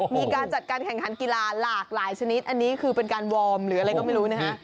มีการจัดการแข่งขันกีฬาหลากหลายชนิดอันนี้คือเป็นการวอร์มหรืออะไรก็ไม่รู้นะฮะ